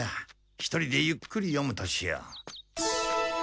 一人でゆっくり読むとしよう。